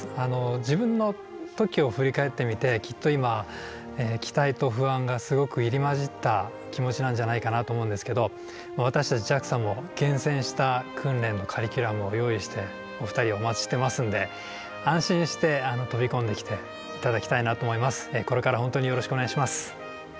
自分の時を振り返ってみてきっと今期待と不安がすごく入り交じった気持ちなんじゃないかなと思うんですけど私たちＪＡＸＡも厳選した訓練のカリキュラムを用意してお二人をお待ちしてますのでこれから本当によろしくお願いします。